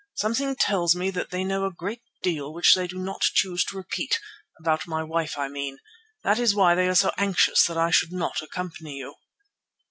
Something tells me that they know a great deal which they do not choose to repeat—about my wife I mean. That is why they are so anxious that I should not accompany you."